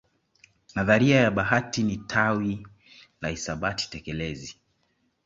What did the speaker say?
Nadharia ya bahati ni tawi la hisabati tekelezi